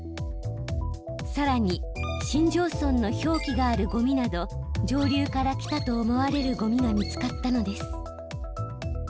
さらに新庄村の表記があるゴミなど上流から来たと思われるゴミが見つかったのです。